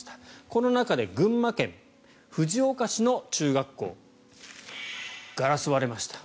この中で群馬県藤岡市の中学校ガラスが割れました。